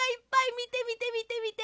みてみてみてみて！